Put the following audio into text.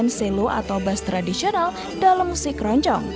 main selo atau bas tradisional dalam musik keroncong